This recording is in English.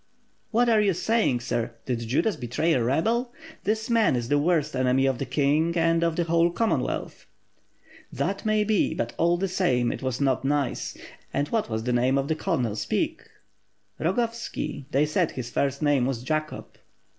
"What are you saying, sir? Did Judas betray a rebel? This man is the worst enemy of the king and of the whole Commonwealth." "That may be, but all the same, it was not nice. And what was the name of that colonel, speak." "Rogovski, they said his first name was Jacob."